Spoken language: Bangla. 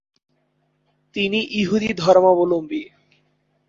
তিনি ইহুদি ধর্মাবলম্বী।